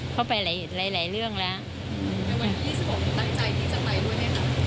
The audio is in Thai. เข้าไปหลายหลายเรื่องแล้วในวันที่สองตั้งใจที่จะไปด้วยไหมคะ